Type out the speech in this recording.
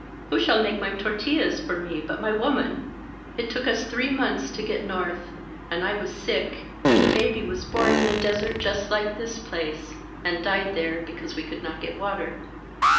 Who shall make my tortillas for me but my woman?' It took us three months to get north, and I was sick and the baby was bom in a desert just 197 INSURGENT MEXICO like this place, and died there because we could not get water.